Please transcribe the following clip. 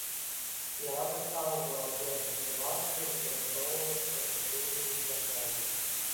Яна таксама была першай спявачкай выкарыстоўваць партатыўны мікрафон.